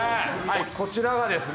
こちらがですね。